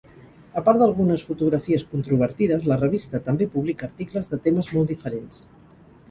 A part d'algunes fotografies controvertides, la revista també publica articles de temes molt diferents.